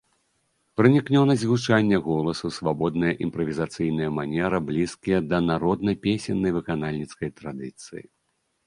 Пранікнёнасць гучання голасу, свабодная імправізацыйная манера блізкія да народна-песеннай выканальніцкай традыцыі.